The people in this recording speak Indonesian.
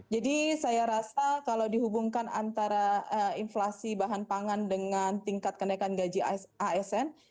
jadi saya rasa kalau dihubungkan antara inflasi bahan pangan dengan tingkat kenaikan gaji asn